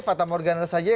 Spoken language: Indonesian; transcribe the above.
fatah morgana saja